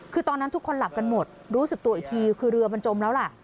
คือตอนนั้นทุกคนหลับกันหมดรู้สึกตัวอีกทีคือเรือมันจมแล้วล่ะ